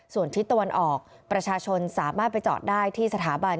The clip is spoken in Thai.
ส่วนทิศตะวันออกประชาชนสามารถไปจอดได้ที่สถาบัน